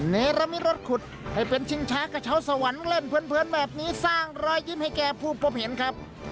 เนรมิตรถขุดให้เป็นชิงช้ากระเช้าสวรรค์เล่นเพื่อนแบบนี้สร้างรอยยิ้มให้แก่ผู้พบเห็นครับ